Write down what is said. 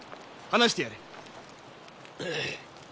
放してやれ。